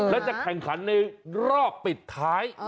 แล้วจะแข่งขันในรอบปิดท้าย